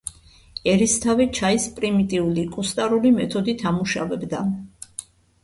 ერისთავი ჩაის პრიმიტიული, კუსტარული მეთოდით ამუშავებდა.